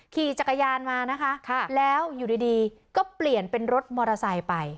ขี่จักรยานมานะคะแล้วอยู่ดีก็เปลี่ยนเป็นรถมอเตอร์ไซค์ไป